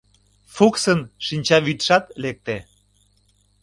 Фуксын шинчавӱдшат лекте.